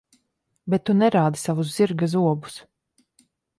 Bet tu nerādi savus zirga zobus.